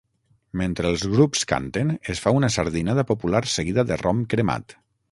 Mentre els grups canten, es fa una sardinada popular seguida de rom cremat.